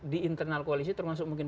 di internal koalisi termasuk mungkin